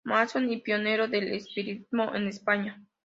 Masón y pionero del espiritismo en España.